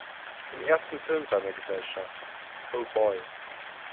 Im ersten Film seiner Gesellschaft, "Oh Boy!